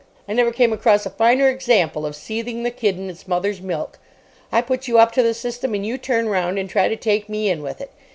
I never came across a finer example of seething the kid in its mother's milk. I put you up to the system, and you turn round and try to take me in with it.